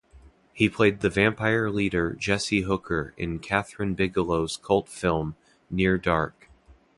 He played the vampire leader Jesse Hooker in Kathryn Bigelow's cult film "Near Dark".